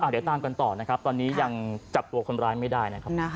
เดี๋ยวตามกันต่อตอนนี้ยังจับตัวคนร้ายไม่ได้